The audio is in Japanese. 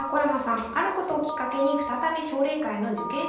あることをきっかけに再び奨励会の受験資格を獲得します。